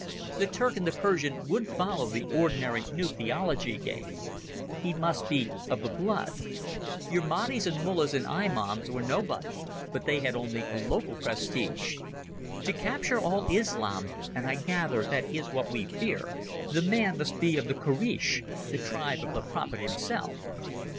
The Turk and the Persian wouldn't follow the ordinary new theology game. He must be of the Blood. Your Mahdis and Mullahs and Imams were nobodies, but they had only a local prestige. To capture all Islam—and I gather that is what we fear—the man must be of the Koreish, the tribe of the Prophet himself."